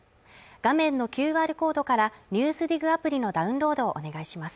画面のＱＲコードから、「ＮＥＷＳＤＩＧ」アプリのダウンロードをお願いします。